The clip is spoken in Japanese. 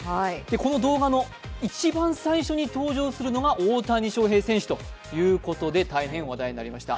この動画の一番最初に登場するのが大谷翔平選手ということで大変話題になりました。